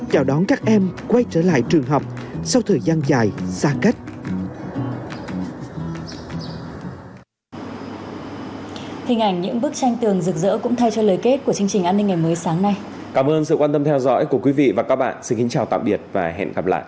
cảm ơn các em quay trường học sau thời gian dài xa cách